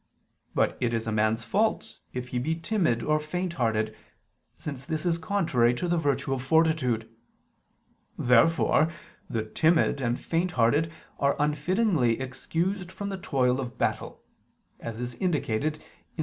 But it is a man's fault if he be timid or faint hearted: since this is contrary to the virtue of fortitude. Therefore the timid and faint hearted are unfittingly excused from the toil of battle (Deut.